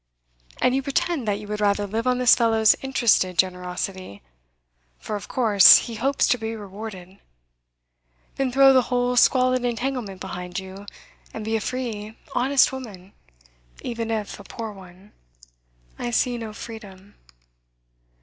And you pretend that you would rather live on this fellow's interested generosity for, of course, he hopes to be rewarded than throw the whole squalid entanglement behind you and be a free, honest woman, even if a poor one?' 'I see no freedom.